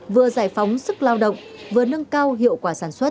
vừa giải phóng sức lao động vừa nâng cao hiệu quả sản xuất